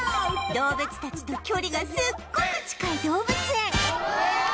動物たちと距離がすっごく近い動物園